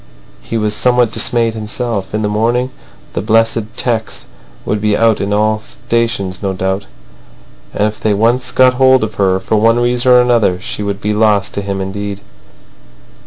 He was somewhat dismayed himself. In the morning the blessed 'tecs will be out in all the stations, no doubt. And if they once got hold of her, for one reason or another she would be lost to him indeed.